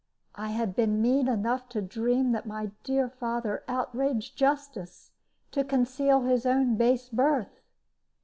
I had been mean enough to dream that my dear father outraged justice to conceal his own base birth!